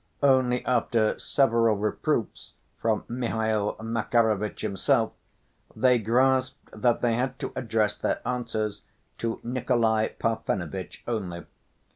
Only after several reproofs from Mihail Makarovitch himself, they grasped that they had to address their answers to Nikolay Parfenovitch only.